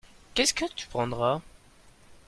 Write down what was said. Qu'est-ce que tu prendras ?